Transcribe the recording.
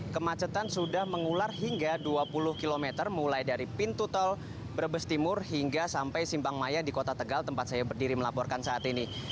kemacetan sudah mengular hingga dua puluh km mulai dari pintu tol brebes timur hingga sampai simpang maya di kota tegal tempat saya berdiri melaporkan saat ini